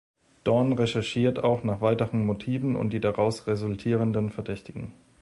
Dorn recherchiert auch nach weiteren Motiven und die daraus resultierenden Verdächtigen.